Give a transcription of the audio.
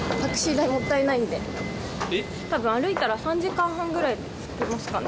多分歩いたら３時間半ぐらいで着きますかね。